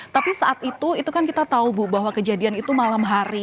tapi saat itu itu kan kita tahu bu bahwa kejadian itu malam hari